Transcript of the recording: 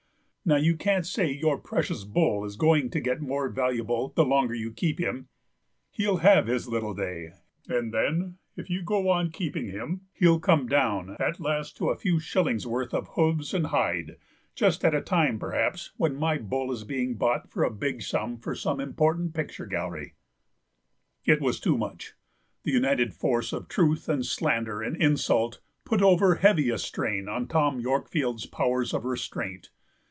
Now you can't say your precious bull is going to get more valuable the longer you keep him; he'll have his little day, and then, if you go on keeping him, he'll come down at last to a few shillingsworth of hoofs and hide, just at a time, perhaps, when my bull is being bought for a big sum for some important picture gallery." It was too much. The united force of truth and slander and insult put over heavy a strain on Tom Yorkfield's powers of restraint.